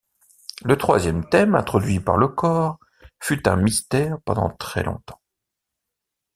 Le troisième thème, introduit par le cor, fut un mystère pendant très longtemps.